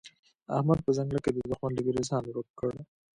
احمد په ځنګله کې د دوښمن له وېرې ځان ورک کړ.